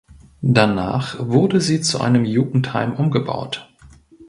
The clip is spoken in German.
Danach wurde sie zu einem Jugendheim umgebaut.